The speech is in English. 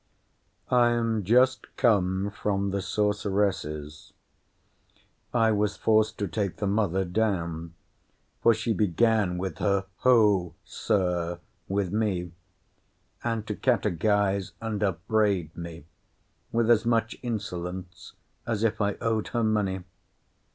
I am just come from the sorceresses. I was forced to take the mother down; for she began with her Hoh, Sir! with me; and to catechize and upbraid me, with as much insolence as if I owed her money.